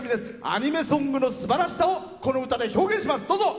アニメソングのすばらしさをこの歌で表現します。